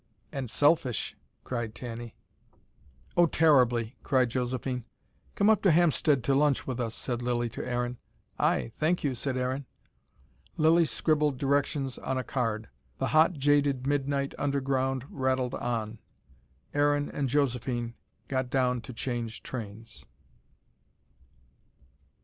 "And SELFISH " cried Tanny. "Oh terribly " cried Josephine. "Come up to Hampstead to lunch with us," said Lilly to Aaron. "Ay thank you," said Aaron. Lilly scribbled directions on a card. The hot, jaded midnight underground rattled on. Aaron and Josephine got down to change trains.